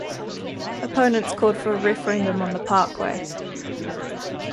Opponents called for a referendum on the parkway.